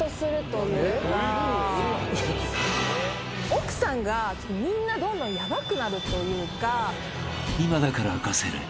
奥さんがみんなどんどんヤバくなるというか。